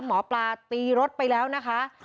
หมอปลาตีรถไปแล้วนะคะ